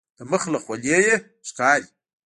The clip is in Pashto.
د مخ له خولیې یې ښکاري.